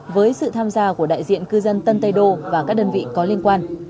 với sự tham gia của đại diện cư dân tân tây đô và các đơn vị có liên quan